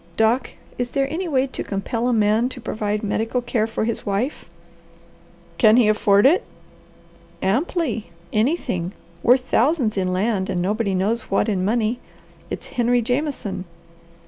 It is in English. Doc, is there any way to compel a man to provide medical care for his wife?" "Can he afford it?" "Amply. Anything! Worth thousands in land and nobody knows what in money. It's Henry Jameson."